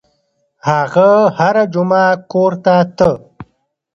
هغه هره جمعه کور ته ته.